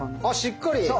あしっかり！